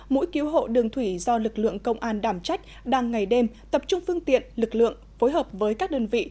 mỗi cứu hộ đường thủy do lực lượng công an đảm trách đang ngày đêm tập trung phương tiện lực lượng phối hợp với các đơn vị